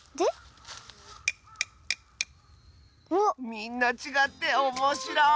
みんなちがっておもしろい！